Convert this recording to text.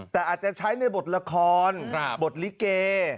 แต่อาจจะใช้ในบทละครบทลิเก